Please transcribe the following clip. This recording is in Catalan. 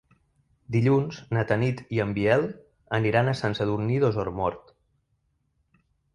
Dilluns na Tanit i en Biel aniran a Sant Sadurní d'Osormort.